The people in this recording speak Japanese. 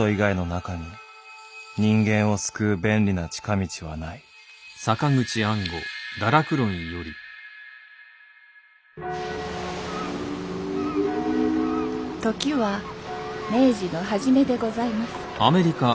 時は明治の初めでございます